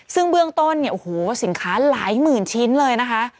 ซึ่งเบื้องต้นเนี่ยโอ้โหสินค้าหลายหมื่นชิ้นเลยนะคะ